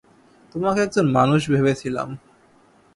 তোমাকে একজন মানুষ ভেবেছিলাম।